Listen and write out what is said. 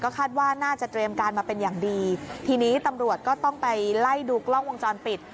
คาดว่าน่าจะเตรียมการมาเป็นอย่างดีทีนี้ตำรวจก็ต้องไปไล่ดูกล้องวงจรปิด